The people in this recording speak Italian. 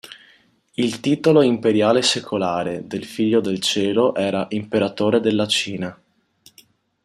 Il titolo imperiale secolare del Figlio del Cielo era "Imperatore della Cina".